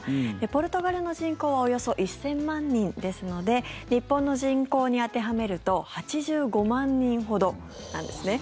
ポルトガルの人口はおよそ１０００万人ですので日本の人口に当てはめると８５万人ほどなんですね。